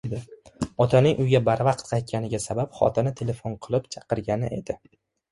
Otaning uyga barvaqt qaytganiga sabab xotini telefon qilib chaqirgani edi.